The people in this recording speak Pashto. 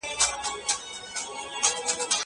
زه کولای سم پوښتنه وکړم!